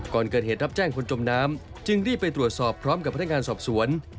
ก่อนเกิดเหตุรับแจ้งคนจมน้ำจึงรีบไปตรวจสอบพร้อมกับพนักงานสอบสวน